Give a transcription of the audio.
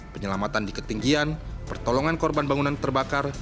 penyelamatan di ketinggian pertolongan korban bangunan terbakar